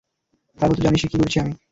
তারপর তো জানিসই কী করেছি আমি।